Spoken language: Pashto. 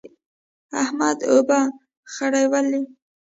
احمد اوبه خړولې.